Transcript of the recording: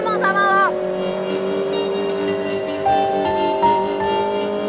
jangan tuh gal galan gitu